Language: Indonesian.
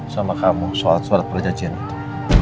sama kamu soal surat perjanjian itu